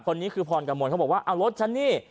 คนนี้คือพรกมลเขาบอกว่าเอารถฉันนี่